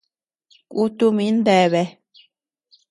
Kutu min deabea.